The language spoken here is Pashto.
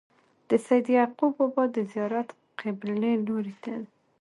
د سيد يعقوب بابا د زيارت قبلې لوري ته